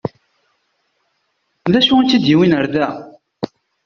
D acu i tt-id-yewwin ɣer da?